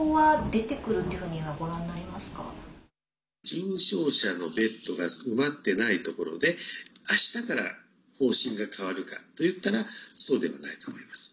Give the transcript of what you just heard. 重症者のベッドが埋まってないところであしたから方針が変わるかといったらそうではないと思います。